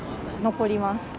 残ります。